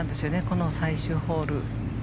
この最終ホール。